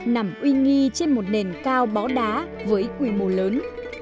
nằm uy nghi trên một nền cao bóng đá với quy mô lớn